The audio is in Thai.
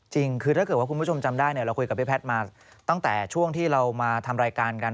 จริงคือถ้าเกิดว่าคุณผู้ชมจำได้เนี่ยเราคุยกับพี่แพทย์มาตั้งแต่ช่วงที่เรามาทำรายการกัน